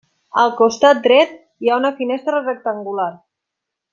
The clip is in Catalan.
Al costat dret hi ha una finestra rectangular.